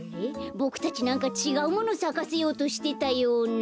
ボクたちなんかちがうものさかせようとしてたような。